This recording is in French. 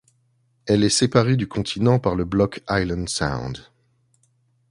Elle est séparée du continent par le Block Island Sound.